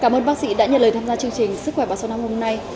một bác sĩ đã nhận lời tham gia chương trình sức khỏe vào sau năm hôm nay